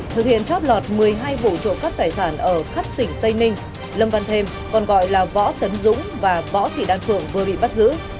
thực hiện trót lọt một mươi hai vụ trộm cắp tài sản ở khắp tỉnh tây ninh lâm văn thêm còn gọi là võ tấn dũng và võ thị đan phượng vừa bị bắt giữ